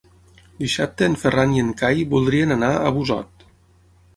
Dissabte en Ferran i en Cai voldrien anar a Busot.